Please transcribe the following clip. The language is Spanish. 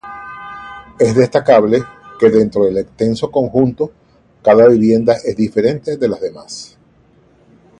Es destacable que dentro del extenso conjunto cada vivienda es diferente de las demás.